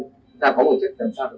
chúng ta có một chất cần sạc tổn thương